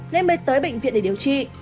nên mới tới bệnh viện để điều trị